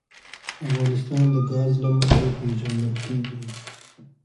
افغانستان د ګاز له مخې پېژندل کېږي.